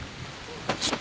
ちょっ。